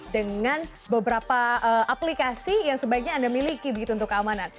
dengan beberapa aplikasi yang sebaiknya anda miliki begitu untuk keamanan